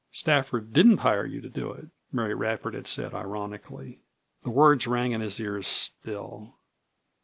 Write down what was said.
"Stafford didn't hire you to do it," Mary Radford had said, ironically. The words rang in his ears still.